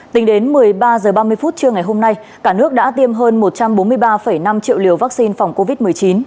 tính đến một mươi ba h ba mươi phút trưa ngày hôm nay cả nước đã tiêm hơn một trăm bốn mươi ba năm triệu liều vaccine phòng covid một mươi chín